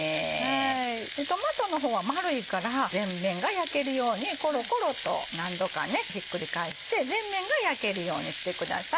トマトの方は丸いから全面が焼けるようにコロコロと何度かひっくり返して全面が焼けるようにしてください。